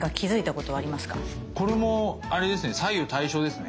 これもあれですね。